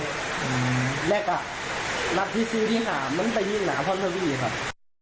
อืมและก็รับที่ซื้อที่หามันไปยื้นหนาเพราะวิธีครับ